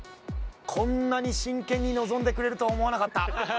こんなに真剣に臨んでくれるとは思わなかった。